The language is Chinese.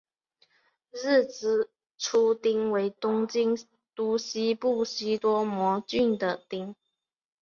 日之出町为东京都西部西多摩郡的町。